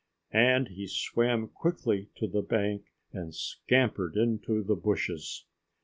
And he swam quickly to the bank and scampered into the bushes.